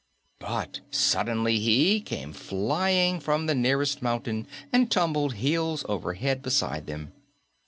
But suddenly he came flying from the nearest mountain and tumbled heels over head beside them.